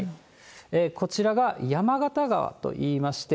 こちらが山形川といいまして。